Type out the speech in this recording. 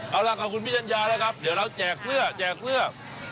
เอาล่ะขอบคุณพี่จัญญานะครับเดี๋ยวเราแจกเพื่อแจกเสื้อ